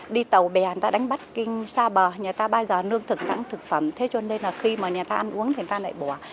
đi tàu bè đã đánh bắt kinh xa bờ nhà ta bây giờ nương thực tặng thực phẩm thế cho nên là khi mà nhà ta ăn uống thì ta lại bỏ